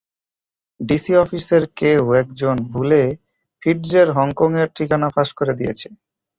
DC অফিসের কেউ একজন ভুলে ফিটজের হংকং এর ঠিকানা ফাঁস করে দিয়েছে।